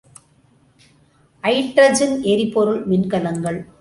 Hydrogen எரிபொருள் மின்கலங்கள்.